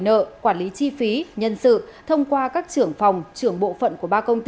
nợ quản lý chi phí nhân sự thông qua các trưởng phòng trưởng bộ phận của ba công ty